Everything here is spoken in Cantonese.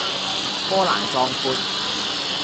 波瀾壯闊